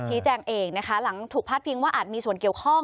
ชี้แจงเองนะคะหลังถูกพาดพิงว่าอาจมีส่วนเกี่ยวข้อง